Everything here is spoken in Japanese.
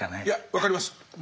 いや分かります。